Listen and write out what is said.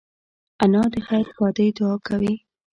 انا د خیر ښادۍ دعا کوي